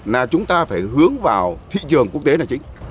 là chúng ta phải hướng vào thị trường quốc tế là chính